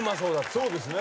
そうですね。